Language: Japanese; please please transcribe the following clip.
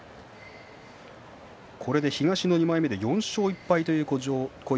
これで東の２枚目４勝１敗です。